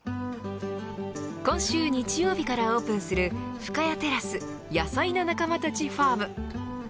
今週日曜日からオープンする深谷テラスヤサイな仲間たちファーム。